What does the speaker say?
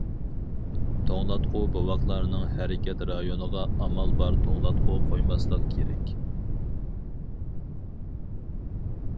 توڭلاتقۇ بوۋاقلارنىڭ ھەرىكەت رايونىغا ئامال بار توڭلاتقۇ قويماسلىق كېرەك.